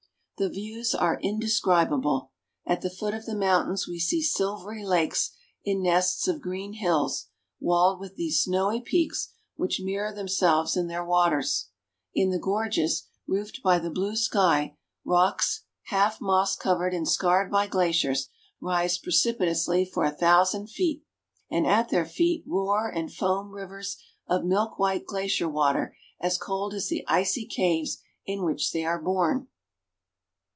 The views are indescribable. At the foot of the mountains we see silvery lakes in nests of green hills, walled with these snowy peaks, which mirror themselves in their waters. In the gorges, roofed by the blue sky, rocks, half moss covered and scarred by glaciers, rise pre cipitously for a thousand feet, and at their feet roar and fcam rivers of milk white glacier water as cold as the icy caves in which they are born.